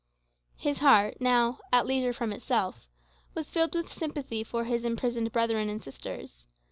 His heart, now "at leisure from itself," was filled with sympathy for his imprisoned brethren and sisters.